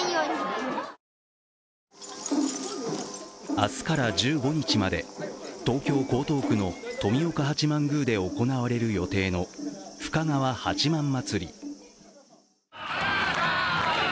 明日から１５日まで東京・江東区の富岡八幡宮で行われる予定の深川八幡祭り。